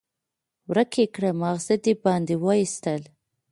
ورک يې کړه؛ ماغزه دې باندې واېستل.